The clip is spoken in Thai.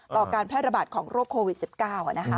การแพร่ระบาดของโรคโควิด๑๙